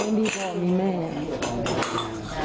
แต่พอมันมีประเด็นเรื่องโควิด๑๙ขึ้นมาแล้วก็ยังไม่มีผลชาญสูตรที่บ้าน